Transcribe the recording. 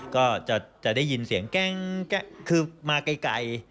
ก็จะได้ยินเสียงแก๊งคือมาไกล